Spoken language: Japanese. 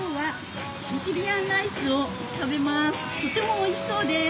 とてもおいしそうです。